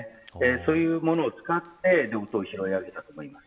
そういうものを使って、音を拾い上げたと思います。